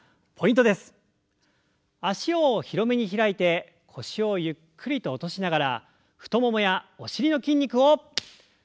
脚を広めに開いて腰をゆっくりと落としながら太ももやお尻の筋肉を刺激していきましょう。